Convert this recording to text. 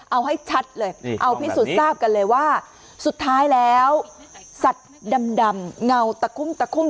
เอาให้ชัดเลยเอาพิสูจน์ทราบกันเลยว่าสุดท้ายแล้วสัตว์ดำเงาตะคุ่มตะคุ่ม